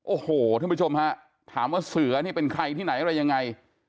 โอ้โหท่านผู้ชมฮะถามว่าเสือนี่เป็นใครที่ไหนอะไรยังไง